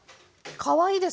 かわいいです。